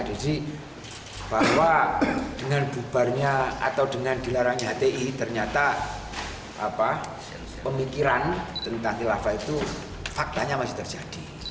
jadi bahwa dengan bubarnya atau dengan dilarangnya hti ternyata pemikiran tentang khilafah itu faktanya masih terjadi